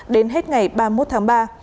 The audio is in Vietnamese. đến hết ngày ba mươi một tháng ba